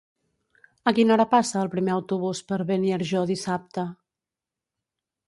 A quina hora passa el primer autobús per Beniarjó dissabte?